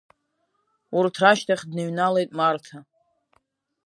Урҭ рашьҭахь дныҩналеит Марҭа.